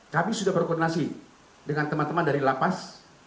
kami sudah berkoordinasi dengan teman teman dari lapas